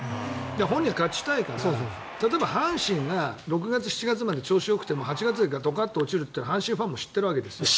本人は勝ちたいから例えば阪神が６月、７月まで調子がよくても８月でドカッと落ちるというのは阪神ファンも知っているわけですよ。